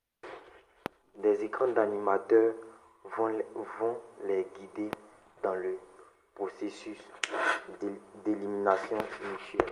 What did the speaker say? Des écrans d'ordinateurs vont les guider dans le processus d'élimination mutuelle.